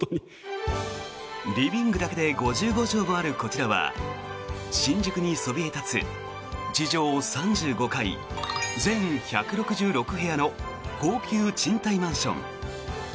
リビングだけで５５畳もあるこちらは新宿にそびえ立つ地上３５階、全１６６部屋の高級賃貸マンション。